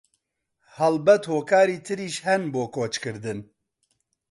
هەڵبەت هۆکاری تریش هەن بۆ کۆچکردن